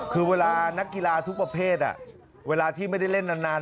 คือเวลานักกีฬาทุกประเภทเวลาที่ไม่ได้เล่นนาน